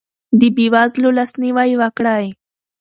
د بې وزلو لاسنیوی وکړئ.